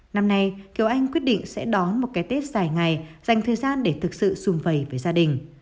năm nay kiều anh quyết định sẽ đón một cái tết dài ngày dành thời gian để thực sự xung vầy với gia đình